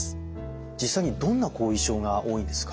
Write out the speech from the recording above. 実際にどんな後遺症が多いんですか？